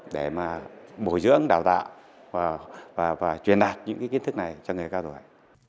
hồi dưỡng đào tạo và truyền đạt những cái kiến thức này cho người cao tuổi